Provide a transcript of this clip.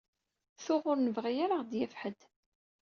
Tuɣ ur nebɣi ara ad ɣ-yaf ḥedd.